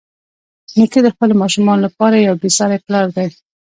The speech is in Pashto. نیکه د خپلو ماشومانو لپاره یو بېساري پلار دی.